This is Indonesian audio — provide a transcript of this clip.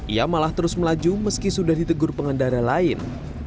ia malah terus melaju meski sudah ditegur pengendara lain